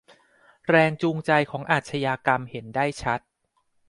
แรงจูงใจของอาชญากรรมเห็นได้ชัด